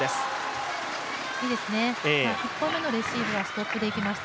１本目のレシーブはストップでいきました。